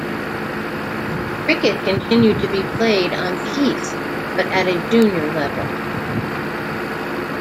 Cricket continued to be played on the 'Heath' but at a junior level.